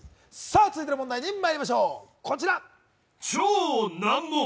続いての問題にまいりましょう。